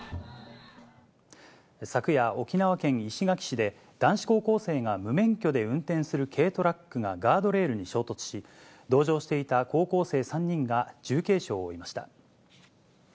昨夜、沖縄県石垣市で、男子高校生が無免許で運転する軽トラックがガードレールに衝突し、同乗していた高校生３人が重軽傷を負いました。